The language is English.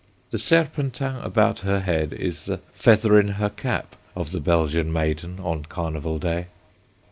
The serpentin about her head is the "feather in her cap" of the Belgian maiden on Carnival Day.